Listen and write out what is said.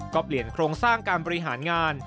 ก็เปลี่ยนโครงสร้างการบริหารงาน